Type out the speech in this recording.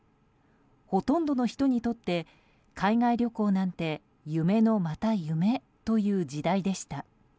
ほとんどの人にとって海外旅行なんて夢のまた夢という時代でした。